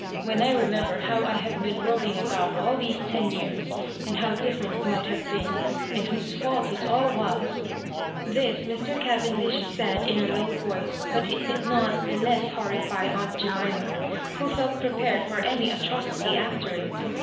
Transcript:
When I remember how I have been roving about all those ten years, and how differ ent it might have been, and whose fault it all This Mr. Cavendish said in a low voice, but it did not the less horrify aunt Jemima, who felt prepared for any atrocity after it.